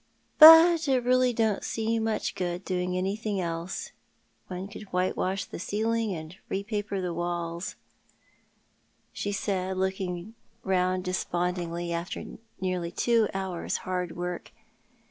" But it really don't seem much good doing anything unless one could whitewash the ceiling and re paper the walls," she Q 2 26 ThoiL art the Man. said, looking rouud desponJingly, after nearly two hours' hard work.